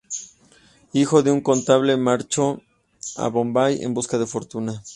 Hijo de un contable, marchó a Bombay en busca de fortuna.